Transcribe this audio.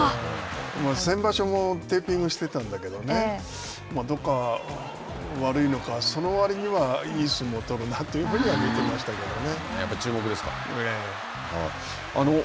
先場所もテーピングしてたんだけどね、どこか悪いのか、その割にはいい相撲を取るなというふうには見てましたけどね。